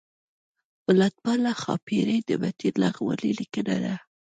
ملتپاله ښاپیرۍ د متین لغمانی لیکنه ده